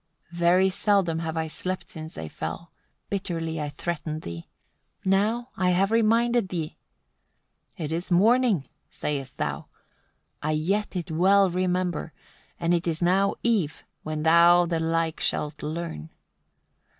78. Very seldom have I slept since they fell. Bitterly I threatened thee: now I have reminded thee. "It is now morning," saidst thou: I yet it well remember; and it now is eve, when thou the like shalt learn.